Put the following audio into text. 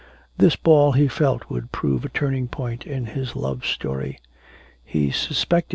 This ball he felt would prove a turning point in his love story. He suspected M.